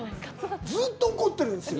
ずっと怒ってるんですよ。